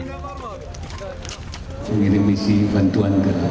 menurut wapres turkiye memiliki sejarah panjang dengan indonesia